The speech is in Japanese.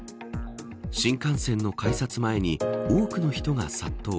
新幹線の改札前に多くの人が殺到。